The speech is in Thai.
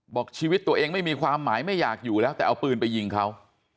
บอกชีวิตตัวเองไม่มีความหมายไม่อยากอยู่แล้วแต่เอาปืนไปยิงเขา